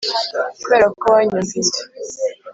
kubera ko wanyumviye